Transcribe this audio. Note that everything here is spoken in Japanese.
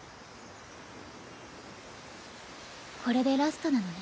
これでラストなのね。